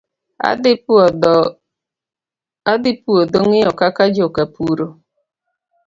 Adhii puodho ngiyo kaka joka opuro.